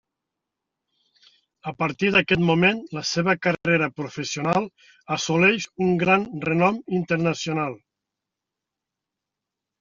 A partir d'aquest moment la seva carrera professional assoleix un gran renom internacional.